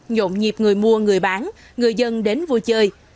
nhộn nhịp người mua người bán người dân đến vui chơi